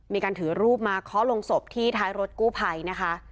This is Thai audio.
มีการถือรูปมาเคาะลงศพที่ท้ายรถกู้ภัยนะคะ